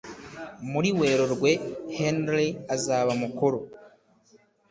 Muri Werurwe, Henry azaba mukuru.